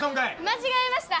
間違えました。